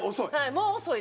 もう遅い。